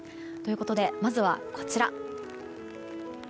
ということでまずは、こちら。